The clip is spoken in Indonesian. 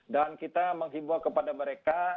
dan kita mengimbaukan mereka